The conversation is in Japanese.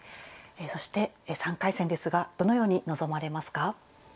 そして３回戦ですがどのように臨まれますか？